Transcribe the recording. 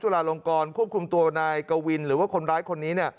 ลาลงกรควบคุมตัวนายกวินหรือว่าคนร้ายคนนี้